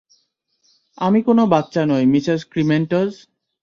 আমি কোনো বাচ্চা নই, মিসেস ক্রিমেন্টজ।